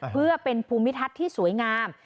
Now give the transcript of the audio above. เพื่อเป็นภูมิทัศน์ที่สวยงาม